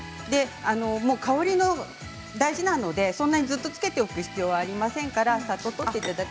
香りが大事なのでそんなにずっとつけておく必要はありませんからさっとでいいです。